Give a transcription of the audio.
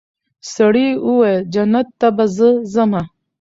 سړي وویل جنت ته به زه ځمه